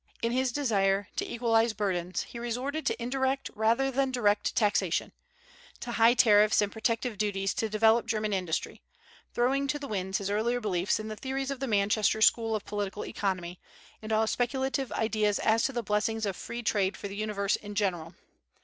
In his desire to equalize burdens he resorted to indirect rather than direct taxation, to high tariffs and protective duties to develop German industry; throwing to the winds his earlier beliefs in the theories of the Manchester school of political economy, and all speculative ideas as to the blessings of free trade for the universe in general.